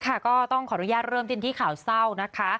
ก็ต้องขออนุญาตเริ่มต้นที่ข่าวเศร้านะคะ